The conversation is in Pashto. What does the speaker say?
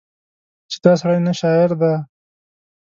چې دا سړی نه شاعر دی